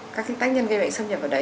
các tác nhân gây bệnh xâm nhập vào đấy